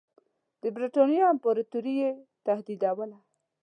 د برټانیې امپراطوري یې تهدیدوله.